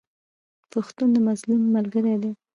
پښتون د مظلوم ملګری دی.